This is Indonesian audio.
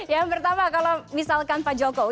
yang pertama kalau misalkan pak jokowi